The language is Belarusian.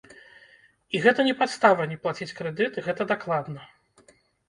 І гэта не падстава не плаціць крэдыт, гэта дакладна.